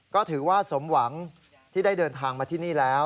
ก็ถือว่าสมหวังที่ได้เดินทางมาที่นี่แล้ว